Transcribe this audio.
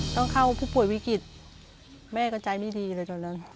ต้องเข้าผู้ป่วยวิกฤตแม่ก็ใจไม่ดีเลยตอนนั้น